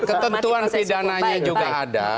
ketentuan pidananya juga ada